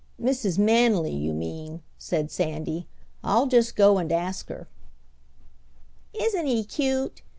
"Mrs. Manily, you mean," said Sandy. "I'll just go and ask her." "Isn't he cute!"